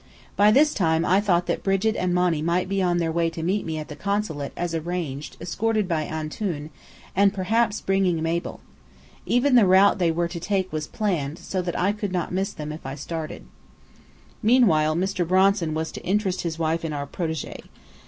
By this time, I thought that Brigit and Monny might be on their way to meet me at the Consulate, as arranged, escorted by "Antoun," and perhaps bringing Mabel. Even the route they were to take was planned, so that I could not miss them if I started. Meanwhile, Mr. Bronson was to interest his wife in our protégée.